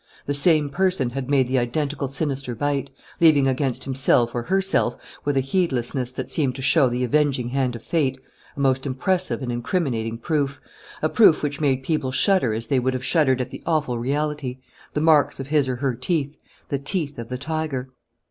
The same person had made the identical sinister bite, leaving against himself or herself, with a heedlessness that seemed to show the avenging hand of fate, a most impressive and incriminating proof, a proof which made people shudder as they would have shuddered at the awful reality: the marks of his or her teeth, the teeth of the tiger!